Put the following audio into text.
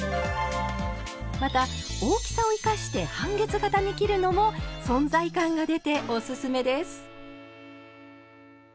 また大きさを生かして半月形に切るのも存在感が出ておすすめです。